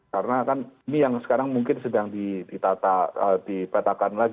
karena kan ini yang sekarang mungkin sedang ditata ditetapkan